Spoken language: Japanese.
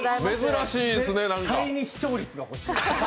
絶対に視聴率が欲しい。